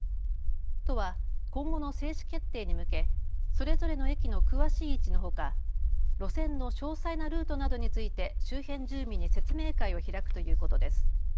都は今後の正式決定に向けそれぞれの駅の詳しい位置のほか路線の詳細なルートなどについて周辺住民に説明会を開くということです。